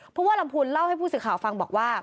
เพราะว่าลำพูนเล่าให้ผู้สื่อข่าวฟังบอกว่า